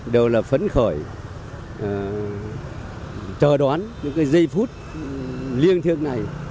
đều là phấn khởi chờ đoán những cái giây phút liên thiện này